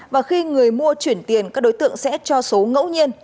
và khi người mua chuyển tiền các đối tượng sẽ cho số ngẫu nhiên